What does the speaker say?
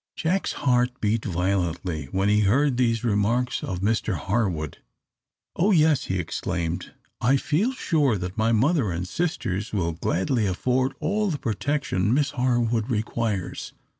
Jack's heart beat violently when he heard these remarks of Mr Harwood. "Oh, yes!" he exclaimed; "I feel sure that my mother and sisters will gladly afford all the protection Miss Harwood requires.